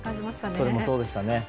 それもそうでしたね。